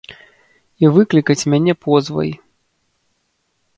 І выклікаць мяне позвай.